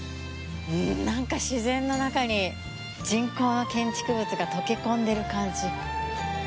なんか、自然の中に人工の建築物が溶け込んでる感じ。